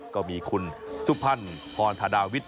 ก็มีคุณซุภัณฑ์พรธาดาวิทย์